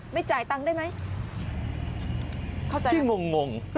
ไม่จ่ายตังค์ได้ไหมเข้าใจไหม